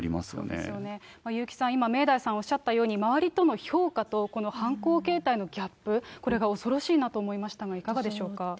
そうですよね、優木さん、今、明大さんがおっしゃったように、周りとの評価とこの犯行形態のギャップ、これが恐ろしいなと思いましたが、いかがでしょうか。